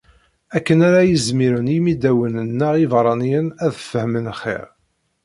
Akken ara izmiren yimidawen-nneɣ ibeṛṛaniyen ad fehmen xir.